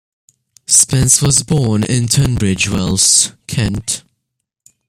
Spence was born in Tunbridge Wells, Kent.